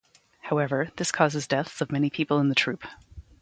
However, this causes deaths of many people in the troupe.